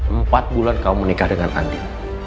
empat bulan kamu menikah dengan andi